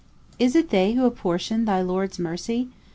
P: Is it they who apportion thy Lord's mercy?